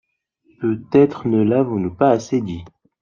Peut-être ne l’avons-nous pas assez dit.